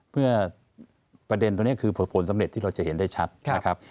เพื่อประเด็นตรงนี้คือผลสำเร็จที่เราจะเห็นได้ชัดนะครับ